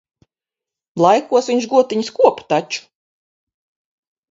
Laikos viņš gotiņas kopa taču.